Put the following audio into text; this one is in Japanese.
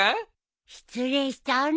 失礼しちゃうね。